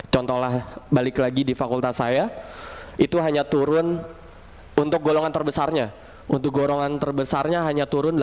contohlah balik lagi di fakultas saya itu hanya turun untuk golongan terbesarnya untuk golongan terbesarnya hanya turun delapan puluh